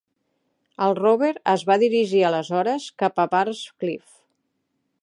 El rover es va dirigir aleshores cap a Burns Cliff.